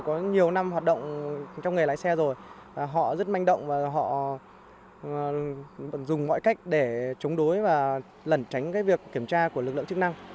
có nhiều năm hoạt động trong nghề lái xe rồi họ rất manh động và họ dùng mọi cách để chống đối và lẩn tránh việc kiểm tra của lực lượng chức năng